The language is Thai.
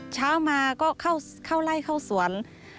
เช้ามาก็เข้าไล่เข้าสวน